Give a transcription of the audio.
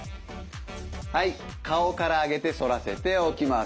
はい顔から上げて反らせて起きます。